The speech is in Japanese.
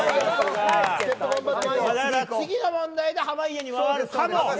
次の問題で濱家に回るかも。